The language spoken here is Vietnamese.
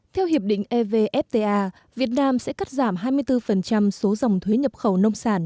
theo hiệp định evfta việt nam sẽ cắt giảm hai mươi bốn số dòng thuế nhập khẩu nông sản